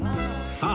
さあ